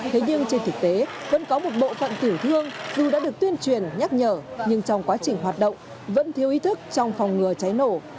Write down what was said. thế nhưng trên thực tế vẫn có một bộ phận tiểu thương dù đã được tuyên truyền nhắc nhở nhưng trong quá trình hoạt động vẫn thiếu ý thức trong phòng ngừa cháy nổ